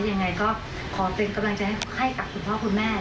ยังไงก็ขอเป็นกำลังใจให้กับคุณพ่อคุณแม่